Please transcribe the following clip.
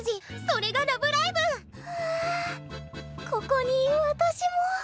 ここに私も！